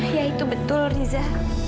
iya itu betul riza